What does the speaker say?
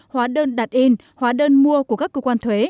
hóa đơn đặt in hóa đơn mua của các cơ quan thuế